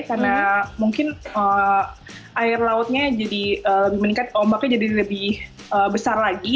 karena mungkin air lautnya jadi lebih meningkat ombaknya jadi lebih besar lagi